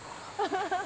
ハハハ。